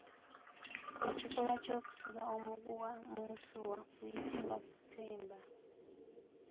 Ekikolwa ky’okusiba omuguwa mu nsuwa kuyitibwa kutemba.